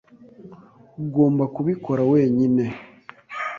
Ugomba kubikora wenyine.